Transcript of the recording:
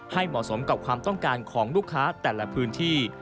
เหมาะสมกับความต้องการของลูกค้าแต่ละพื้นที่